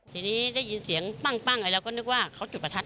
ทีนี้ได้ยินเสียงปั้งเราก็นึกว่าเขาจุดประทัด